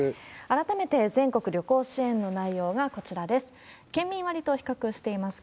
改めて、全国旅行支援の内容がこちらです。